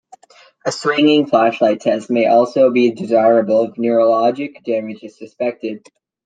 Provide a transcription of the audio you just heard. A swinging-flashlight test may also be desirable if neurologic damage is suspected.